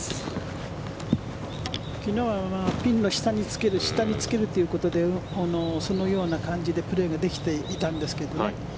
昨日はピンの下につけるということでそのような感じでプレーができていたんですけどね。